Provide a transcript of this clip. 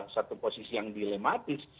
satu posisi yang dilematis